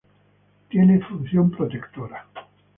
Tiene función protectora.